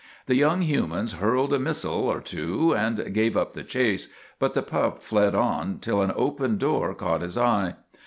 The young humans hurled a missile or two and gave up the chase, but the pup fled on till an open door caught his eye.